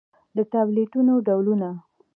د ټابليټنو ډولونه: